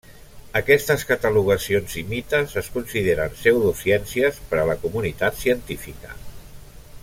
Aquestes catalogacions i mites es consideren pseudociències per a la comunitat científica.